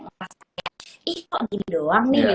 merasa kayak ih kok gini doang nih gitu